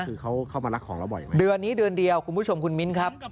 คือเขาเข้ามารักของเราบ่อยเดือนนี้เดือนเดียวคุณผู้ชมคุณมิ้นครับ